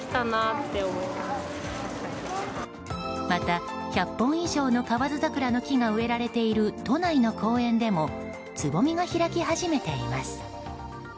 また、１００本以上の河津桜の木が植えられている都内の公園でもつぼみが開き始めています。